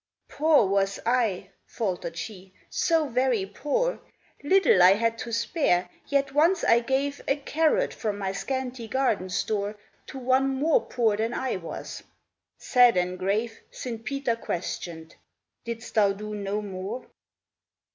" Poor was I," faltered she, " so very poor ! Little I had to spare, yet once I gave A carrot from my scanty garden store To one more poor than I was." Sad and grave Saint Peter questioned, " Didst thou do no more?